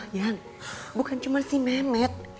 ayang bukan cuma si mehmet